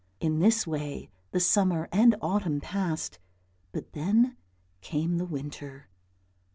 In this way the summer and autumn passed, but then came the winter.